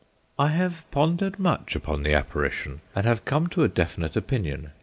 I have pondered much upon the apparition, and have come to a definite opinion.